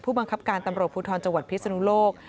บังคับการตำรวจภูทรจังหวัดพิศนุโลก